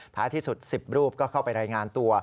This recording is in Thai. ที่สุด๑๐รูปก็เข้าไปรายงานตัว